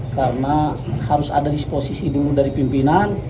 karena harus ada disposisi dulu dari pimpinan